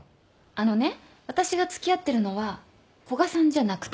あのね私が付き合ってるのは古賀さんじゃなくて。